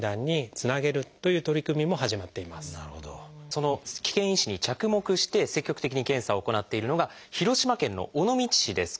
その危険因子に着目して積極的に検査を行っているのが広島県の尾道市です。